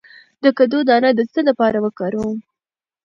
د کدو دانه د څه لپاره وکاروم؟